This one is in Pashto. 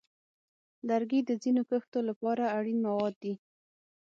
لرګي د ځینو کښتو لپاره اړین مواد دي.